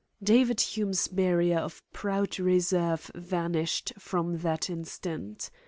David Hume's barrier of proud reserve vanished from that instant.